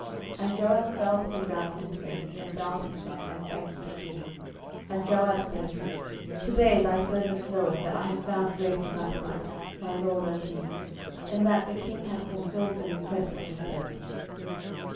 10:014:022 And Joab fell to the ground on his face, and bowed himself, and thanked the king: and Joab said, To day thy servant knoweth that I have found grace in thy sight, my lord, O king, in that the king hath fulfilled the request of his servant.